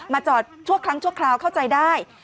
จอดชั่วครั้งชั่วคราวเข้าใจได้